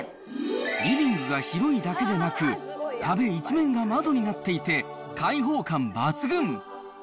リビングが広いだけでなく、壁一面が窓になっていて、開放感抜群。